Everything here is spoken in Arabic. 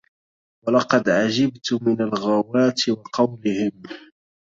ولقد عجبت من الغواة وقولهم